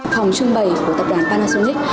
phòng trưng bày của tập đoàn panasonic